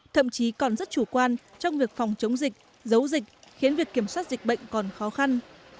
thậm chí còn rất chủ quan trong việc phòng chống dịch giấu dịch khiến việc kiểm soát dịch bệnh còn khó khăn